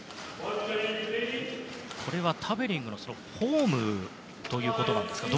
これはタベリングのフォームということなんですか？